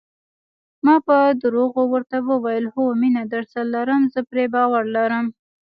ما په درواغو ورته وویل: هو، مینه درسره لرم، زه پرې باور لرم.